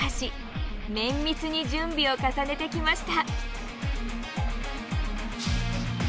綿密に準備を重ねてきました。